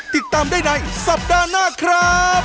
ติดตามได้ในสัปดาห์หน้าครับ